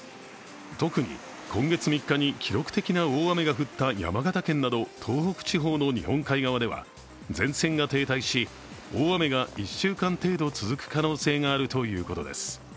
特に、今月３日に記録的な大雨が降った山形県など東北地方の日本海側では前線が停滞し、大雨が１週間程度続く可能性があるということです。